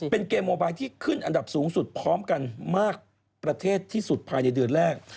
เป็นเกมโมบายที่ขึ้นอันดับสูงสุดพร้อมกันมากประเทศที่สุดภายในเดือนแรก